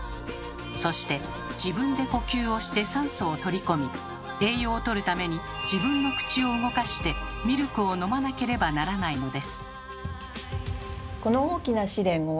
そして自分で呼吸をして酸素を取り込み栄養をとるために自分の口を動かしてミルクを飲まなければならないのです。